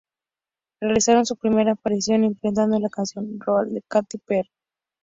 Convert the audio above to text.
Realizaron su primera aparición interpretando la canción "Roar" de Katy Perry.